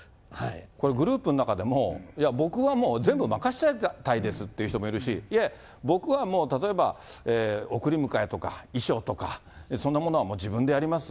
これ、グループの中でも、僕はもう、全部任せたいですっていう人もいるし、いやいや、僕はもう例えば、送り迎えとか、衣装とか、そんなものはもう自分でやります。